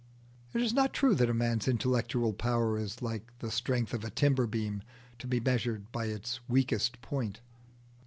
It is not true that a man's intellectual power is like the strength of a timber beam, to be measured by its weakest point.